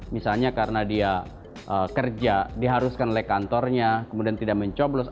misalnya karena dia kerja diharuskan oleh kantornya kemudian tidak mencoblos